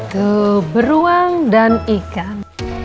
tuh beruang dan ikan